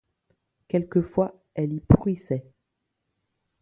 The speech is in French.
Quelquefois elle y pourrissait.